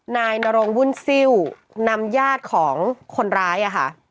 นายนรงวุ่นซิลนำญาติของคนร้ายอะค่ะ